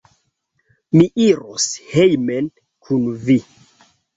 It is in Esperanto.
Mi iros hejmen kun vi.